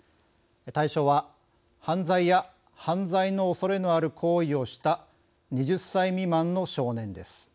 対象は犯罪や犯罪のおそれのある行為をした２０歳未満の少年です。